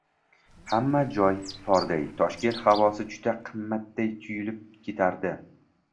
hamma joy torday, Toshkent havosi juda qimmatday tuyulib ketardi.